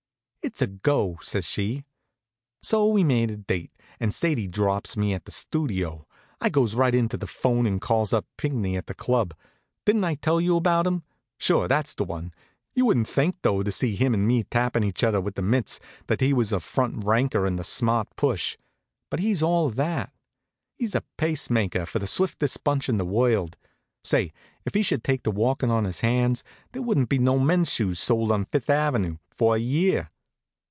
"It's a go," says she. So we made a date, and Sadie drops me at the Studio. I goes right to the 'phone and calls up Pinckney at the club. Didn't I tell you about him? Sure, that's the one. You wouldn't think though, to see him and me tappin' each other with the mitts, that he was a front ranker in the smart push. But he's all of that. He's a pacemaker for the swiftest bunch in the world. Say, if he should take to walkin' on his hands, there wouldn't be no men's shoes sold on Fifth ave. for a year.